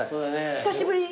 久しぶり？